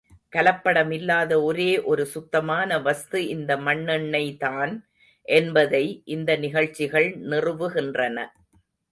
கலப்படம் இல்லாத ஒரே ஒரு சுத்தமான வஸ்து இந்த மண்ணெண்ணெய்தான் என்பதை இந்த நிகழ்ச்சிகள் நிறுவுகின்றன.